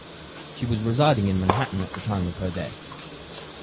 She was residing in Manhattan at the time of her death.